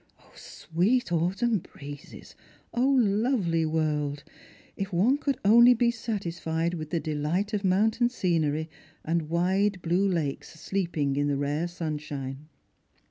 O sweet autumn breezes, lovely world ! if one could only be satisfied with the delight of mountain scenery, and wide blue lakes sleep ing in the rare sunshine